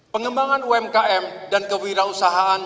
pengembangan umkm dan kewirausahaan